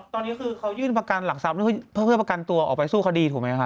ตอนนี้คือเขายื่นประกันหลักทรัพย์เพื่อประกันตัวออกไปสู้คดีถูกไหมคะ